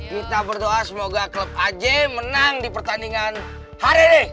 kita berdoa semoga klub aj menang di pertandingan hari ini